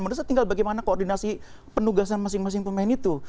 menurut saya tinggal bagaimana koordinasi penugasan masing masing pemain itu